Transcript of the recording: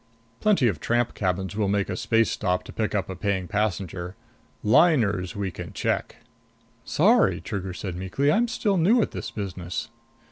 Plenty of tramp captains will make a space stop to pick up a paying passenger. Liners we can check." "Sorry," Trigger said meekly. "I'm still new at this business."